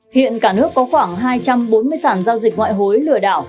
hiện cả nước có khoảng hai trăm bốn mươi sản giao dịch ngoại hối lừa đảo